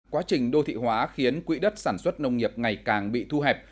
quá trình đô thị hóa khiến quỹ đất sản xuất nông nghiệp ngày càng bị thu hẹp